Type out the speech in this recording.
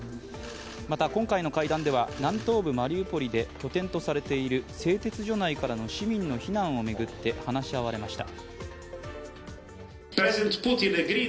また今回の会談では南東部マリウポリで拠点とされている製鉄所内からの市民の避難を巡って話し合われました。